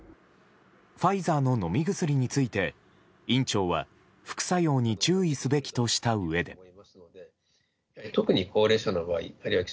ファイザーの飲み薬について院長は副作用に注意すべきとしたうえで。